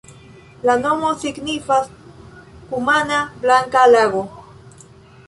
La nomo signifas kumana-blanka-lago.